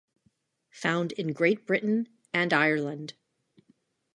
Found in Great Britain and Ireland.